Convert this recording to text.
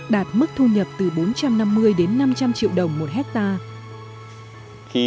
đạt mức thu nhập từ bốn trăm năm mươi đến năm trăm linh triệu đồng một hectare